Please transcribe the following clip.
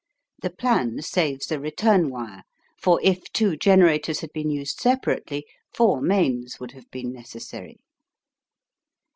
The plan saves a return wire, for if two generators had been used separately, four mains would have been necessary.